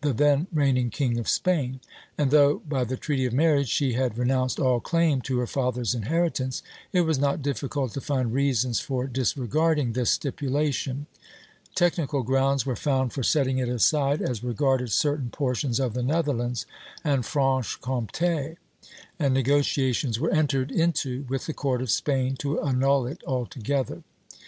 the then reigning king of Spain; and though by the treaty of marriage she had renounced all claim to her father's inheritance, it was not difficult to find reasons for disregarding this stipulation. Technical grounds were found for setting it aside as regarded certain portions of the Netherlands and Franche Comté, and negotiations were entered into with the court of Spain to annul it altogether.